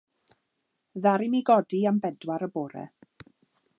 Ddaru mi godi am bedwar y bore.